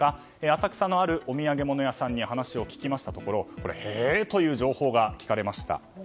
浅草の、あるお土産屋さんに話を聞きましたところへという情報が聞かれました。